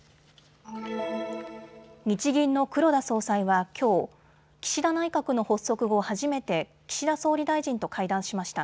日銀の黒田総裁はきょう、岸田内閣の発足後初めて岸田総理大臣と会談しました。